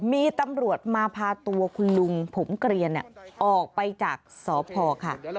มีตำรวจมาพาตัวคุณลุงผมเกลียนออกไปจากสพค่ะ